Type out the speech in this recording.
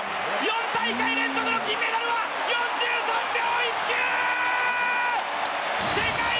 ４大会連続の金メダルは４３秒１９！